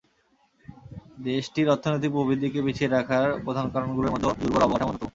দেশটির অর্থনৈতিক প্রবৃদ্ধিকে পিছিয়ে রাখার প্রধান কারণগুলোর মধ্যে দুর্বল অবকাঠামো অন্যতম।